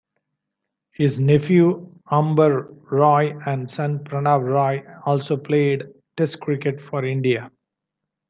His nephew Ambar Roy and son Pranab Roy also played Test cricket for India.